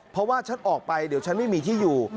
เพราะว่าฉันออกไปเดี๋ยวฉันไม่มีที่อยู่